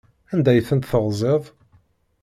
Anda ay tent-teɣziḍ?